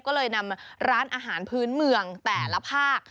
ก็เลยนำร้านอาหารพื้นเมืองแต่ละภาค